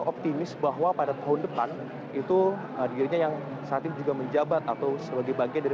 optimis bahwa pada tahun depan itu dirinya yang saat ini juga menjabat atau sebagai bagian dari